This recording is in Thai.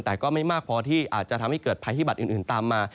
แต่ก็ไม่มากพอที่อาจจะทำให้เกิดภัยพิบัตรอื่นตามมา